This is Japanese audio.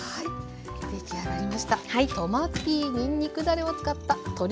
出来上がりました。